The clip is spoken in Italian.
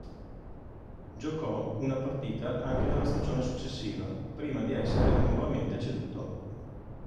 Giocò una partita anche nella stagione successiva, prima di essere nuovamente ceduto.